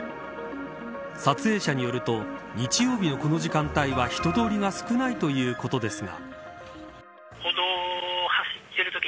撮影者によると日曜日のこの時間帯は人通りが少ないということですが。